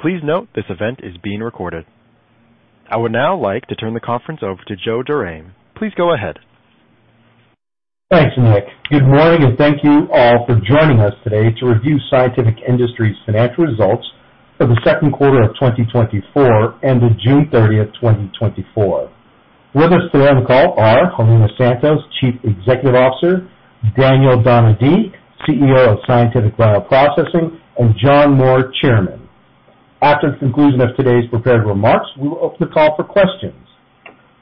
Please note, this event is being recorded. I would now like to turn the conference over to Joe Dorame. Please go ahead. Thanks, Nick. Good morning and thank you all for joining us today to review Scientific Industries' financial results for the second quarter of 2024, ending June 30th, 2024. With us today on the call are Helena Santos, Chief Executive Officer; Daniel Donadille, CEO of Scientific Bioprocessing; and John Moore, Chairman. After the conclusion of today's prepared remarks, we will open the call for questions.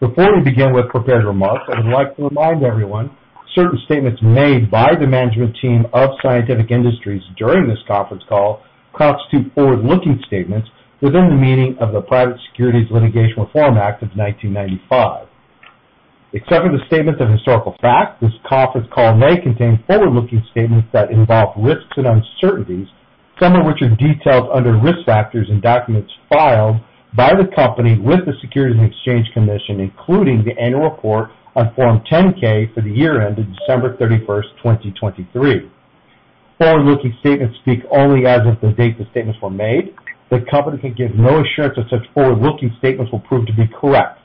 Before we begin with prepared remarks, I would like to remind everyone, certain statements made by the management team of Scientific Industries during this conference call constitute forward-looking statements within the meaning of the Private Securities Litigation Reform Act of 1995. Except for the statements of historical fact, this conference call may contain forward-looking statements that involve risks and uncertainties, some of which are detailed under risk factors in documents filed by the company with the Securities and Exchange Commission, including the annual report on Form 10-K for the year ended December 31st, 2023. Forward-looking statements speak only as of the date the statements were made. The company can give no assurance that such forward-looking statements will prove to be correct.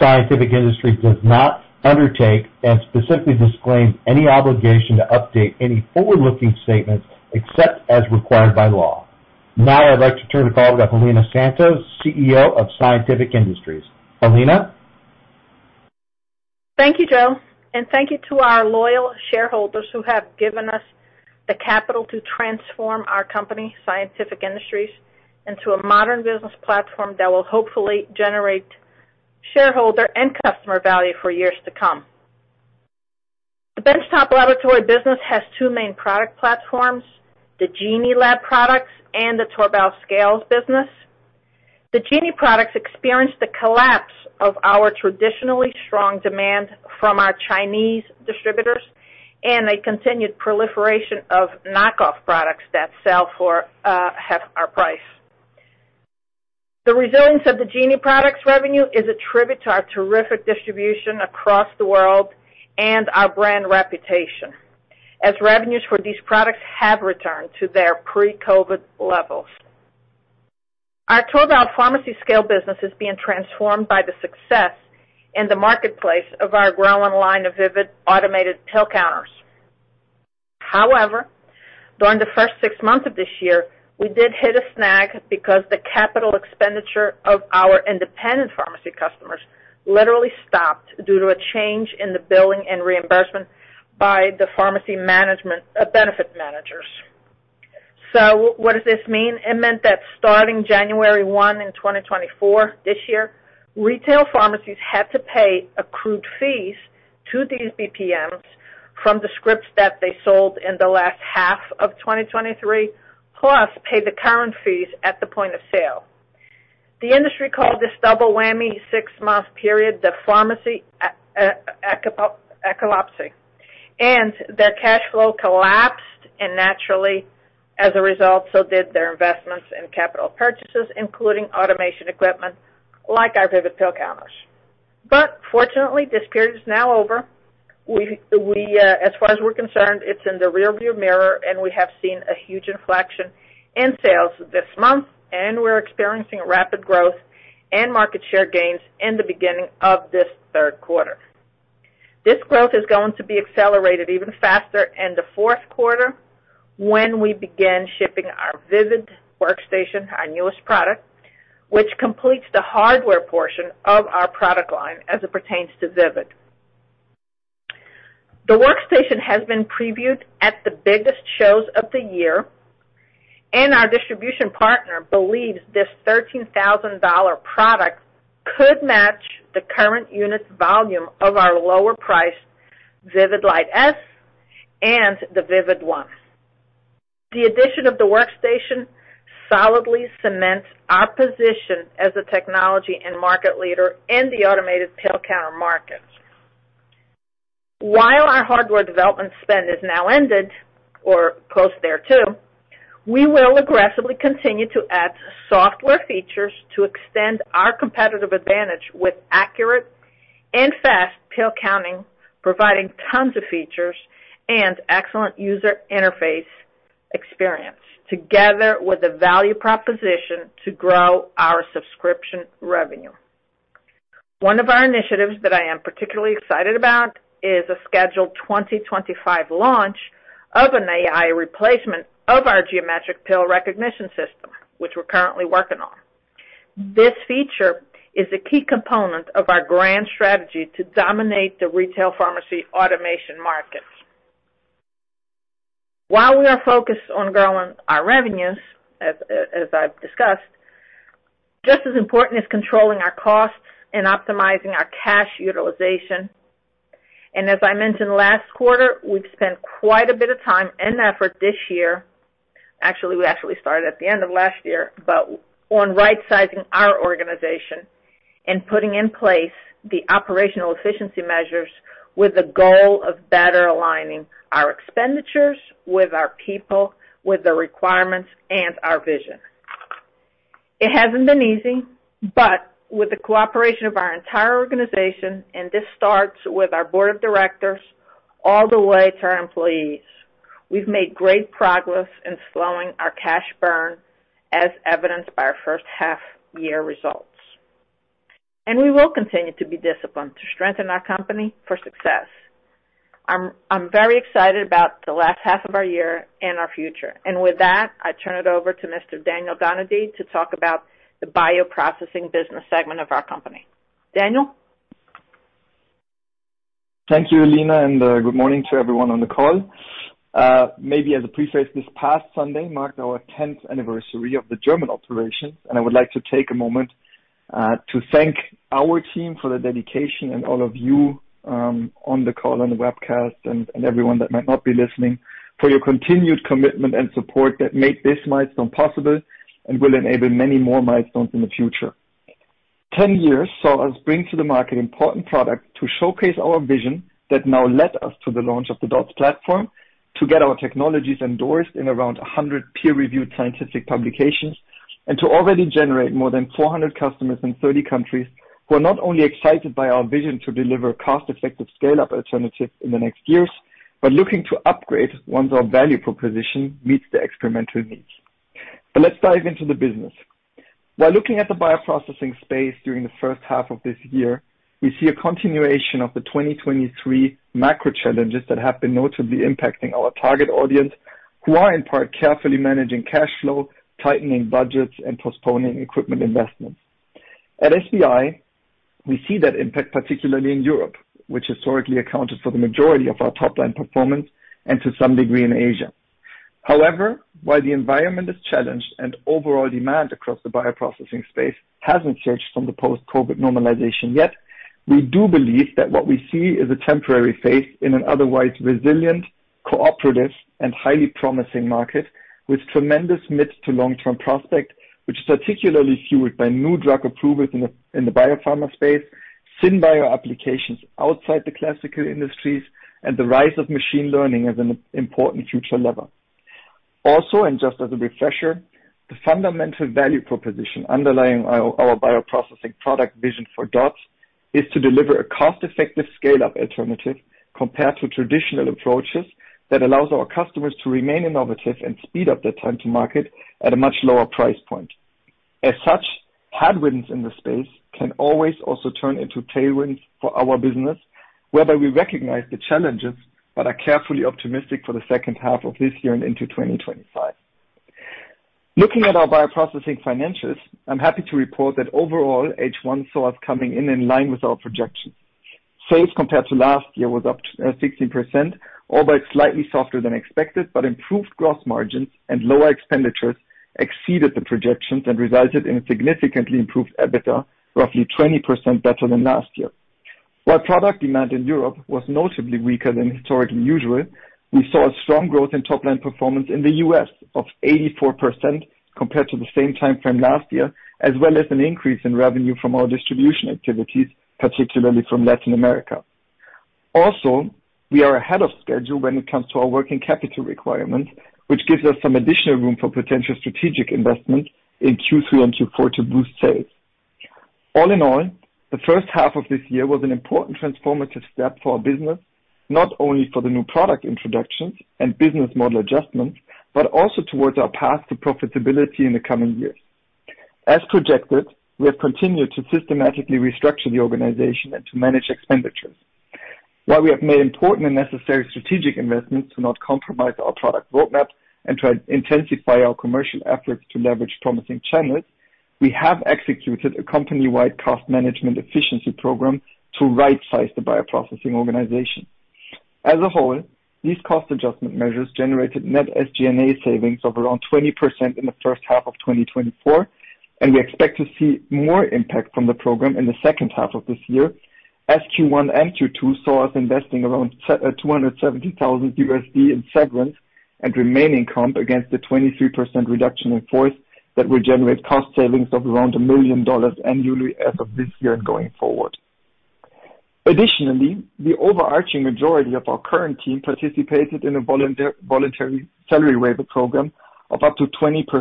Scientific Industries does not undertake and specifically disclaims any obligation to update any forward-looking statements except as required by law. Now I'd like to turn the call to Helena Santos, CEO of Scientific Industries. Helena? Thank you, Joe, and thank you to our loyal shareholders who have given us the capital to transform our company, Scientific Industries, into a modern business platform that will hopefully generate shareholder and customer value for years to come. The Benchtop Laboratory business has two main product platforms, the Genie lab products and the Torbal scales business. The Genie products experienced the collapse of our traditionally strong demand from our Chinese distributors and a continued proliferation of knockoff products that sell for half our price. The resilience of the Genie products revenue is a tribute to our terrific distribution across the world and our brand reputation, as revenues for these products have returned to their pre-COVID levels. Our Torbal pharmacy scale business is being transformed by the success in the marketplace of our growing line of VIVID automated pill counters. However, during the first six months of this year, we did hit a snag because the capital expenditure of our independent pharmacy customers literally stopped due to a change in the billing and reimbursement by the pharmacy benefit managers. So what does this mean? It meant that starting January 1, 2024, this year, retail pharmacies had to pay accrued fees to these PBMs from the scripts that they sold in the last half of 2023, plus pay the current fees at the point of sale. The industry called this double whammy six-month period, the pharmacy apocalypse, and their cash flow collapsed, and naturally, as a result, so did their investments in capital purchases, including automation equipment like our VIVID pill counters. But fortunately, this period is now over. As far as we're concerned, it's in the rearview mirror, and we have seen a huge inflection in sales this month, and we're experiencing rapid growth and market share gains in the beginning of this third quarter. This growth is going to be accelerated even faster in the fourth quarter when we begin shipping our VIVID Workstation, our newest product, which completes the hardware portion of our product line as it pertains to VIVID. The Workstation has been previewed at the biggest shows of the year, and our distribution partner believes this $13,000 product could match the current unit volume of our lower-priced VIVID Lite-S and the VIVID One. The addition of the Workstation solidly cements our position as a technology and market leader in the automated pill counter market. While our hardware development spend is now ended, or close thereto, we will aggressively continue to add software features to extend our competitive advantage with accurate and fast pill counting, providing tons of features and excellent user interface experience together with a value proposition to grow our subscription revenue. One of our initiatives that I am particularly excited about is a scheduled 2025 launch of an AI replacement of our geometric pill recognition system, which we're currently working on. This feature is a key component of our grand strategy to dominate the retail pharmacy automation market. While we are focused on growing our revenues, as I've discussed, just as important is controlling our costs and optimizing our cash utilization. As I mentioned last quarter, we've spent quite a bit of time and effort this year. Actually, we actually started at the end of last year, but on right-sizing our organization and putting in place the operational efficiency measures with the goal of better aligning our expenditures with our people, with the requirements, and our vision. It hasn't been easy, but with the cooperation of our entire organization, and this starts with our board of directors, all the way to our employees, we've made great progress in slowing our cash burn, as evidenced by our first half year results. We will continue to be disciplined to strengthen our company for success. I'm, I'm very excited about the last half of our year and our future, and with that, I turn it over to Mr. Daniel Donadille, to talk about the Bioprocessing business segment of our company. Daniel? Thank you, Helena, and, good morning to everyone on the call. Maybe as a preface, this past Sunday marked our tenth anniversary of the German operations, and I would like to take a moment, to thank our team for their dedication and all of you, on the call, on the webcast, and, and everyone that might not be listening, for your continued commitment and support that made this milestone possible and will enable many more milestones in the future. 10 years saw us bring to the market important products to showcase our vision that now led us to the launch of the DOTS platform, to get our technologies endorsed in around 100 peer-reviewed scientific publications, and to already generate more than 400 customers in 30 countries, who are not only excited by our vision to deliver cost-effective scale-up alternatives in the next years, but looking to upgrade once our value proposition meets the experimental needs. But let's dive into the business. While looking at the Bioprocessing space during the first half of this year, we see a continuation of the 2023 macro challenges that have been notably impacting our target audience, who are, in part, carefully managing cash flow, tightening budgets, and postponing equipment investments. At SBI, we see that impact, particularly in Europe, which historically accounted for the majority of our top-line performance and to some degree in Asia. However, while the environment is challenged and overall demand across the Bioprocessing space hasn't changed from the post-COVID normalization yet, we do believe that what we see is a temporary phase in an otherwise resilient, cooperative, and highly promising market with tremendous mid- to long-term prospect, which is particularly fueled by new drug approvals in the biopharma space, syn bio applications outside the classical industries, and the rise of machine learning as an important future lever. Also, and just as a refresher, the fundamental value proposition underlying our, our Bioprocessing product vision for DOTs is to deliver a cost-effective scale-up alternative compared to traditional approaches that allows our customers to remain innovative and speed up their time to market at a much lower price point. As such, headwinds in the space can always also turn into tailwinds for our business, whereby we recognize the challenges but are carefully optimistic for the second half of this year and into 2025. Looking at our Bioprocessing financials, I'm happy to report that overall, H1 saw us coming in in line with our projections. Sales, compared to last year, was up 16%, albeit slightly softer than expected, but improved gross margins and lower expenditures exceeded the projections and resulted in a significantly improved EBITDA, roughly 20% better than last year. While product demand in Europe was notably weaker than historically usual, we saw a strong growth in top-line performance in the U.S. of 84% compared to the same time frame last year, as well as an increase in revenue from our distribution activities, particularly from Latin America. Also, we are ahead of schedule when it comes to our working capital requirements, which gives us some additional room for potential strategic investment in Q3 and Q4 to boost sales. All in all, the first half of this year was an important transformative step for our business, not only for the new product introductions and business model adjustments, but also towards our path to profitability in the coming years. As projected, we have continued to systematically restructure the organization and to manage expenditures. While we have made important and necessary strategic investments to not compromise our product roadmap and to intensify our commercial efforts to leverage promising channels, we have executed a company-wide cost management efficiency program to rightsize the Bioprocessing organization. As a whole, these cost adjustment measures generated net SG&A savings of around 20% in the first half of 2024, and we expect to see more impact from the program in the second half of this year, as Q1 and Q2 saw us investing around $270,000 in severance and remaining comp against the 23% reduction in force that will generate cost savings of around $1 million annually as of this year and going forward. Additionally, the overarching majority of our current team participated in a voluntary salary waiver program of up to 25%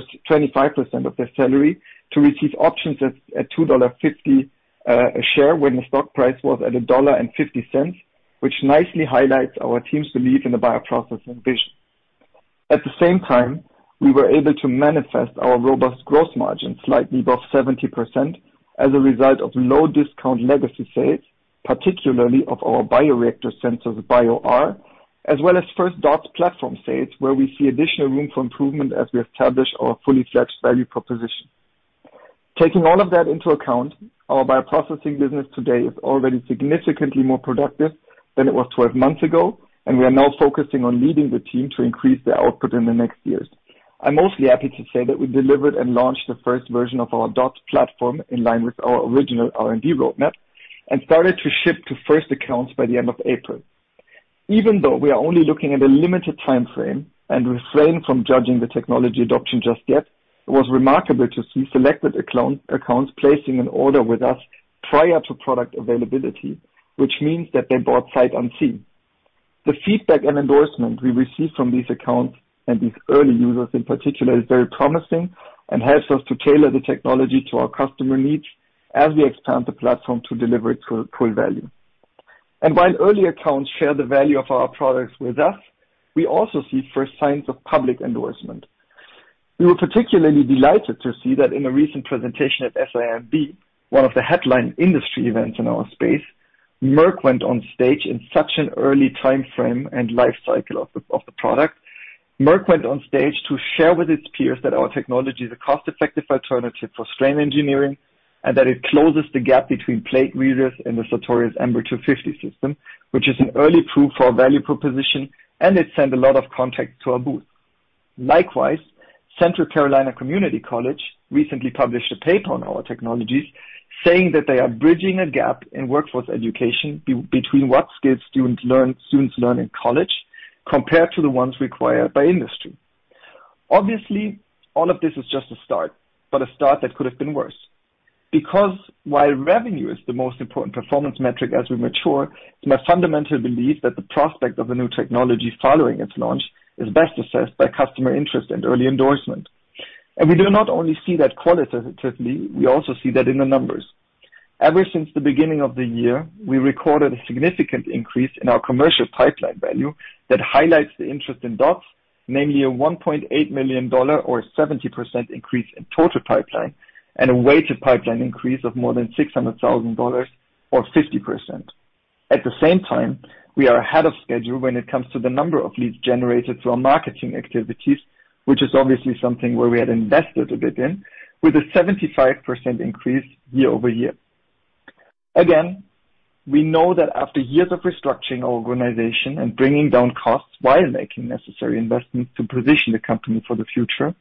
of their salary to receive options at $2.50 a share, when the stock price was at $1.50, which nicely highlights our team's belief in the Bioprocessing vision. At the same time, we were able to manifest our robust growth margins, slightly above 70%, as a result of low discount legacy sales, particularly of our bioreactor sensors, Bio-R, as well as first DOTS platform sales, where we see additional room for improvement as we establish our fully fledged value proposition. Taking all of that into account, our Bioprocessing business today is already significantly more productive than it was 12 months ago, and we are now focusing on leading the team to increase their output in the next years. I'm mostly happy to say that we delivered and launched the first version of our DOTS platform in line with our original R&D roadmap and started to ship to first accounts by the end of April. Even though we are only looking at a limited time frame and refrain from judging the technology adoption just yet, it was remarkable to see selected alpha accounts placing an order with us prior to product availability, which means that they bought sight unseen. The feedback and endorsement we received from these accounts and these early users in particular is very promising and helps us to tailor the technology to our customer needs, as we expand the platform to deliver to full value. And while early accounts share the value of our products with us, we also see first signs of public endorsement. We were particularly delighted to see that in a recent presentation at SIMB, one of the headline industry events in our space, Merck went on stage in such an early time frame and life cycle of the product. Merck went on stage to share with its peers that our technology is a cost-effective alternative for strain engineering, and that it closes the gap between plate readers and the Sartorius Ambr 250 system, which is an early proof for our value proposition, and it sent a lot of contacts to our booth. Likewise, Central Carolina Community College recently published a paper on our technologies, saying that they are bridging a gap in workforce education between what skills students learn in college compared to the ones required by industry. Obviously, all of this is just a start, but a start that could have been worse. Because while revenue is the most important performance metric as we mature, it's my fundamental belief that the prospect of a new technology following its launch is best assessed by customer interest and early endorsement. We do not only see that qualitatively, we also see that in the numbers. Ever since the beginning of the year, we recorded a significant increase in our commercial pipeline value that highlights the interest in DOTS, namely a $1.8 million or 70% increase in total pipeline and a weighted pipeline increase of more than $600,000 or 50%. At the same time, we are ahead of schedule when it comes to the number of leads generated through our marketing activities, which is obviously something where we had invested a bit in, with a 75% increase year-over-year. Again, we know that after years of restructuring our organization and bringing down costs while making necessary investments to position the company for the future,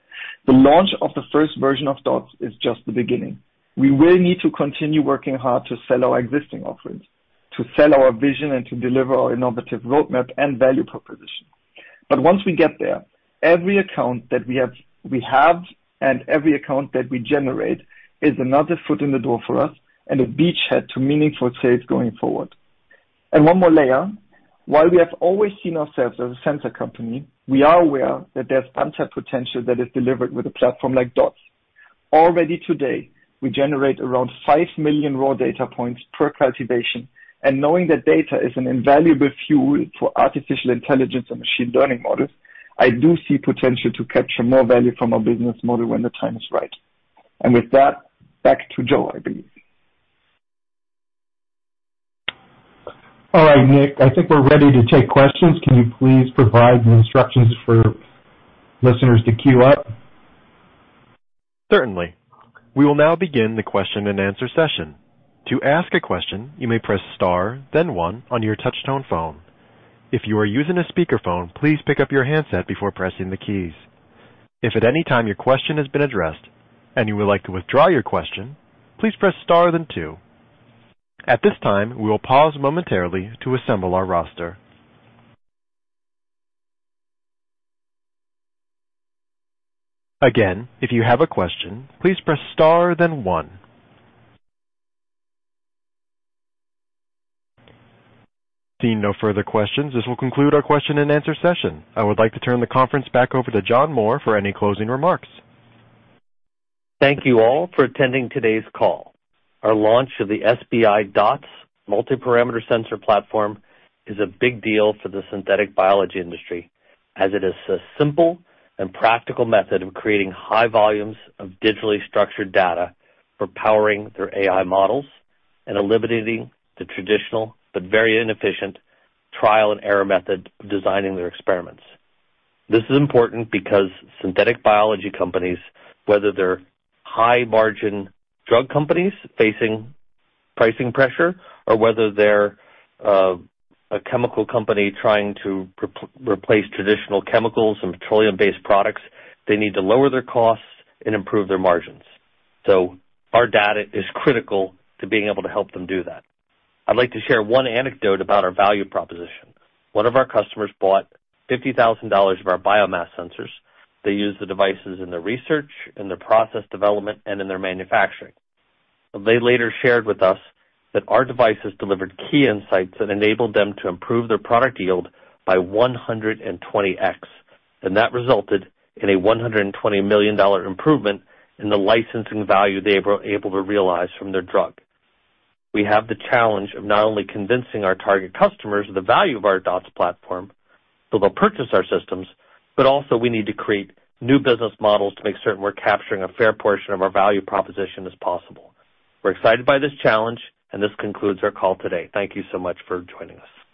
the launch of the first version of DOTS is just the beginning. We will need to continue working hard to sell our existing offerings, to sell our vision, and to deliver our innovative roadmap and value proposition. But once we get there, every account that we have, we have, and every account that we generate is another foot in the door for us and a beachhead to meaningful sales going forward. And one more layer. While we have always seen ourselves as a sensor company, we are aware that there's tons of potential that is delivered with a platform like DOTS. Already today, we generate around 5 million raw data points per cultivation and knowing that data is an invaluable fuel for artificial intelligence and machine learning models, I do see potential to capture more value from our business model when the time is right. And with that, back to Joe, I believe. All right, Nick, I think we're ready to take questions. Can you please provide the instructions for listeners to queue up? Certainly. We will now begin the question-and-answer session. To ask a question, you may press star, then one on your touch tone phone. If you are using a speakerphone, please pick up your handset before pressing the keys. If at any time your question has been addressed and you would like to withdraw your question, please press star, then two. At this time, we will pause momentarily to assemble our roster. Again, if you have a question, please press star, then one. Seeing no further questions, this will conclude our question-and-answer session. I would like to turn the conference back over to John Moore for any closing remarks. Thank you all for attending today's call. Our launch of the SBI DOTS Multiparameter Sensor platform is a big deal for the synthetic biology industry, as it is a simple and practical method of creating high volumes of digitally structured data for powering their AI models and eliminating the traditional but very inefficient trial-and-error method of designing their experiments. This is important because synthetic biology companies, whether they're high-margin drug companies facing pricing pressure or whether they're a chemical company trying to replace traditional chemicals and petroleum-based products, they need to lower their costs and improve their margins. So our data is critical to being able to help them do that. I'd like to share one anecdote about our value proposition. One of our customers bought $50,000 of our biomass sensors. They use the devices in their research, in their process development, and in their manufacturing. They later shared with us that our devices delivered key insights that enabled them to improve their product yield by 120x, and that resulted in a $120 million improvement in the licensing value they were able to realize from their drug. We have the challenge of not only convincing our target customers of the value of our DOTS platform, so they'll purchase our systems, but also we need to create new business models to make certain we're capturing a fair portion of our value proposition as possible. We're excited by this challenge, and this concludes our call today. Thank you so much for joining us.